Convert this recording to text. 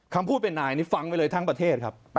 คำพูดเป็นนายนี่ฟังไปเลยทั้งประเทศครับ